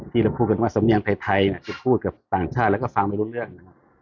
ที่เราพูดกันว่าสำเนียงไทยจะพูดกับต่างชาติแล้วก็ฟังไม่รู้เรื่องนะครับ